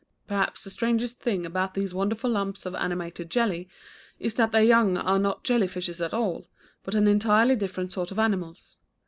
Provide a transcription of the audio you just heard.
Perhaps the strangest thing about these wonderful lumps of animated jelly is that their young are not jelly fishes at all, but an entirely different sort of animals.